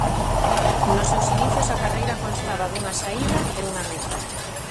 Nos seus inicios a carreira constaba dunha saída e unha meta.